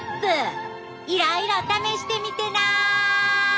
いろいろ試してみてな。